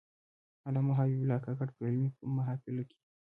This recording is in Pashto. علامه حبیب الله کاکړ په علمي محافلو کې.